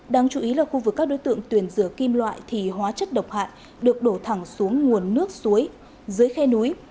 đáng chú ý là khu vực các đối tượng tuyển rửa kim loại thì hóa chất độc hại được đổ thẳng xuống nguồn nước suối dưới khe núi